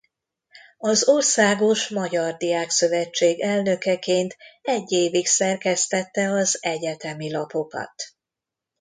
Az Országos Magyar Diákszövetség elnökeként egy évig szerkesztette az Egyetemi Lapokat.